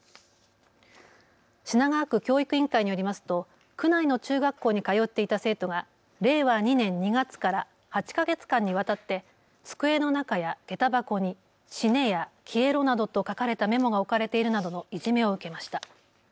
品川区教育委員会によりますと区内の中学校に通っていた生徒が令和２年２月から８か月間にわたって机の中やげた箱にしねやきえろなどと書かれたメモが置かれているなどのいじめを受けました。